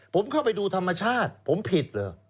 ผมเข้าไปดูธรรมชาติผมผิดเหรอ